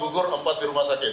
lima gugur empat di rumah sakit